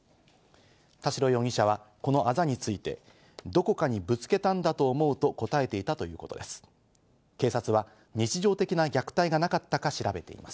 田代容疑者はこのあざについて、どこかにぶつけたんだと思うと答えています。